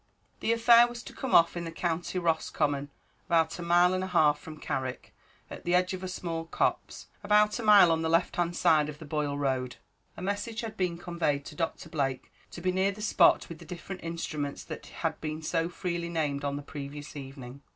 The affair was to come off in the County Roscommon, about a mile and a half from Carrick, at the edge of a small copse, about a mile on the left hand side of the Boyle road. A message had been conveyed to Doctor Blake to be near the spot with the different instruments that had been so freely named on the previous evening.